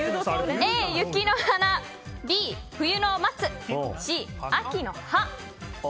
Ａ、雪の華Ｂ、冬の松Ｃ、秋の葉。